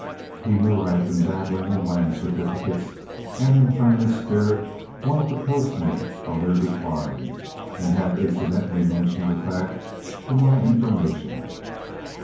He knew I had been dabbling in land certificates, and in a friendly spirit wanted to post me on their decline, and had incidentally mentioned the fact for my information.